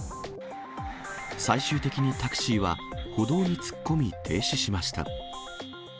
最終的にタクシーは、歩道に突っ込み停止しました。